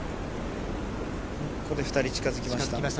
ここで２人が近づきました。